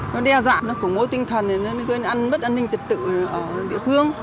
nó đe dạng nó củng môi tinh thần nó gây bất an ninh trật tự ở địa phương